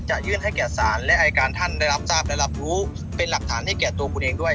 ยื่นให้แก่ศาลและอายการท่านได้รับทราบได้รับรู้เป็นหลักฐานให้แก่ตัวคุณเองด้วย